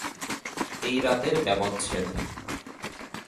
এই রাতের ব্যবচ্ছেদ।